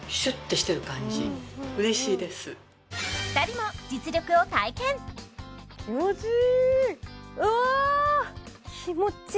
２人も実力を体験うわ！